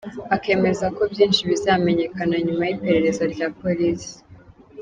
Akemeza ko byinshi bizamenyekana nyuma y’iperereza rya Police.